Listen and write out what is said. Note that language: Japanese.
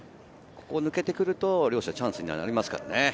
ここを抜けてくると、両者チャンスになりますからね。